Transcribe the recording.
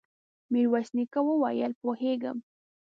ميرويس نيکه وويل: پوهېږم.